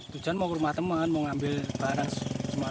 tujuan mau ke rumah teman mau ambil barang semuanya